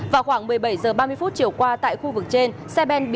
vào khoảng một mươi bảy h ba mươi chiều qua tại khu vực trên